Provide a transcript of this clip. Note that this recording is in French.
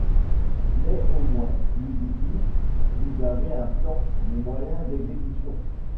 Mais au moins, lui dit-il, vous avez un plan, des moyens d’exécution?